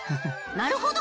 なるほど！